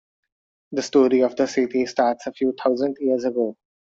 The story of the city starts a few thousand years ago.